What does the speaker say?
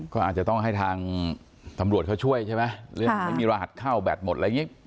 ก็อาจจะต้องให้ทางตำรวจเขาช่วยใช่ไหมเรื่องไม่มีรหัสเข้าแบตหมดอะไรอย่างนี้